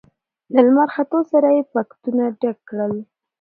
له لمر ختو سره يې پتکونه ډک کړل.